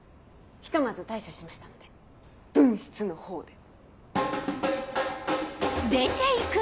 ひとまず対処しましたので分室のほうで。